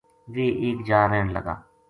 ویہ ایک جا رہن لگا